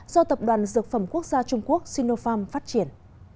do tập đoàn dược phẩm quốc gia trung quốc sinopharm phát triển